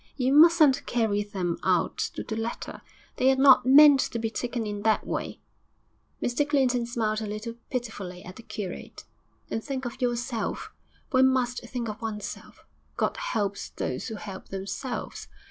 You mustn't carry them out to the letter. They are not meant to be taken in that way.' Mr Clinton smiled a little pitifully at the curate. 'And think of yourself one must think of oneself. "God helps those who help themselves."